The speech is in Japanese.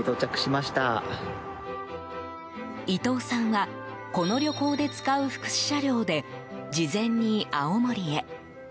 伊藤さんは、この旅行で使う福祉車両で事前に青森へ。